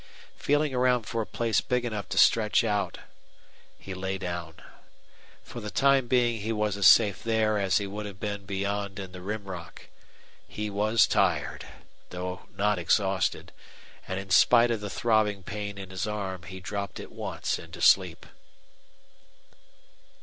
Feeling around for a place big enough to stretch out on, he lay down. For the time being he was as safe there as he would have been beyond in the Rim Rock. He was tired, though not exhausted, and in spite of the throbbing pain in his arm he dropped at once into sleep.